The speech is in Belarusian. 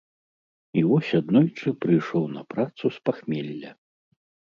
І вось аднойчы прыйшоў на працу з пахмелля.